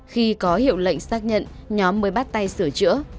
khi có hiệu lệnh xác nhận nhóm mới bắt tay sửa chữa